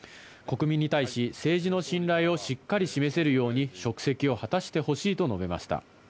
国民に対し政治の信頼をしっかり示せるように職責を果たしてほしいと述べました。